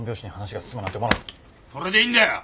それでいいんだよ！